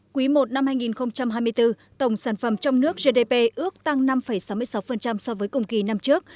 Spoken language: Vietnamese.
quý i năm hai nghìn hai mươi bốn tổng sản phẩm trong nước gdp ước tăng năm sáu mươi sáu so với cùng kỳ năm trước